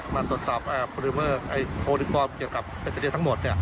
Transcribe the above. มาตรวจสอบโฟลิเมอร์โฮลิกอลเกี่ยวกับเป็นสัญลักษณ์ทั้งหมด